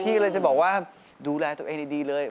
เลยจะบอกว่าดูแลตัวเองดีเลย